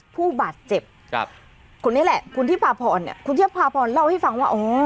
ผู้บาดเจ็บคุณนี่แหละคุณที่พาผ่อนเนี่ยคุณที่พาผ่อนเล่าให้ฟังว่าอ๋อ